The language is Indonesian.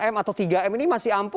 tiga m atau tiga m ini masih ampuh